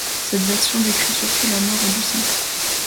Cette version décrit surtout la mort du saint.